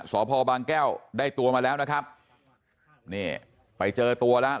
สพบางแก้วได้ตัวมาแล้วนะครับนี่ไปเจอตัวแล้ว